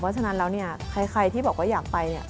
เพราะฉะนั้นแล้วใครที่บอกว่าอยากไป